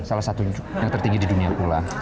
salah satu yang tertinggi di dunia pula